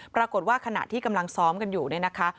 ปรากฏว่าขณะที่กำลังซ้อมกันอยู่เนี่ยนะคะ